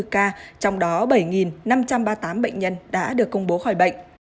ba trăm chín mươi bốn ca trong đó bảy năm trăm ba mươi tám bệnh nhân đã được công bố khỏi bệnh